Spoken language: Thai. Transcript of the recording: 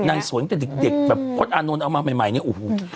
นางสวยจากเด็กแบบพอดอาโนนเอามาใหม่เนี่ย